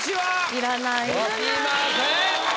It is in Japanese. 要りません。